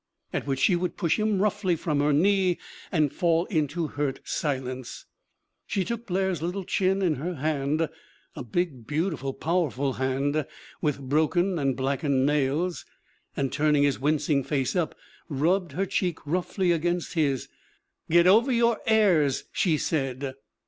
at which she would push him roughly from her knee and fall into hurt silence. ... She took Blair's little chin in her hand a big, beautiful, power ful hand, with broken and blackened nails and turn ing his wincing face up, rubbed her cheek roughly against his. 'Get over your airs!' she said."